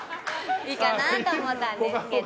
いいかなと思ったんですけど。